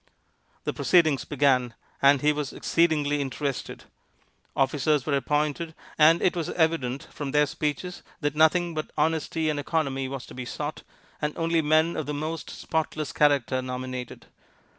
The proceedings began, and he was exceedingly interested. Officers were appointed, and it was evident from their speeches that nothing but honesty and economy was to be sought, and only men of the most spotless character nominated.